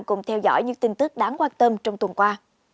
cùng theo dõi những tin tức đáng quan tâm trong tuần qua